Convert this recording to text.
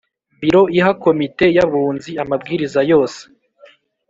Biro iha Komite y Abunzi amabwiriza yose